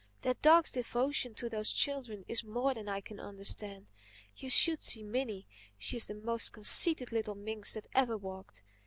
"That dog's devotion to those children is more than I can understand. You should see Minnie! She's the most conceited little minx that ever walked.